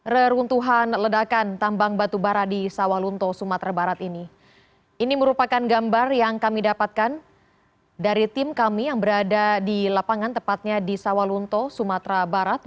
berikut ini adalah informasi yang kami dapatkan dari tim kami yang berada di lapangan tepatnya di sawalunto sumatera barat